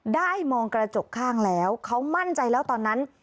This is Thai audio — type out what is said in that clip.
มองกระจกข้างแล้วเขามั่นใจแล้วตอนนั้น